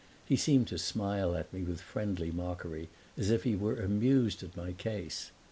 He seemed to smile at me with friendly mockery, as if he were amused at my case.